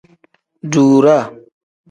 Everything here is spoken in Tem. Duuraa.